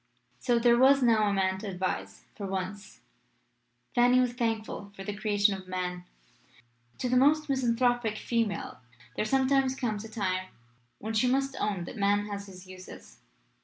So, there was now a Man to advise. For once, Fanny was thankful for the creation of Man. To the most misanthropic female there sometimes comes a time when she must own that Man has his uses.